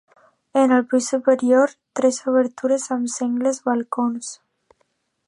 En el pis superior, tres obertures amb sengles balcons.